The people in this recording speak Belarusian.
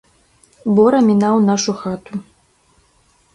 Бора мінаў нашу хату.